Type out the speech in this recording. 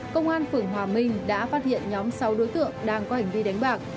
công an phường hòa minh đã phát hiện nhóm sáu đối tượng đang có hành vi đánh bạc